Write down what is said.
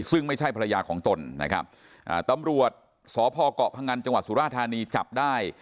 ซึ่งไม่ใช่ภรรยาของตนนะครับตำรวจสพเกาะพงันจังหวัดสุราธานีจับได้